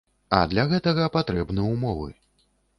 А для гэтага патрэбны ўмовы.